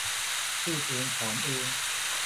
พูดเองถอนเอง